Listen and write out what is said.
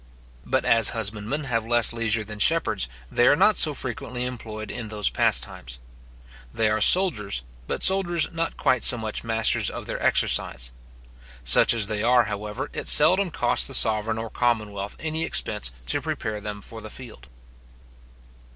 But as husbandmen have less leisure than shepherds, they are not so frequently employed in those pastimes. They are soldiers but soldiers not quite so much masters of their exercise. Such as they are, however, it seldom costs the sovereign or commonwealth any expense to prepare them for the field.